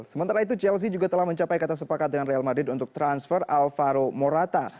sementara itu chelsea juga telah mencapai kata sepakat dengan real madrid untuk transfer alvaro morata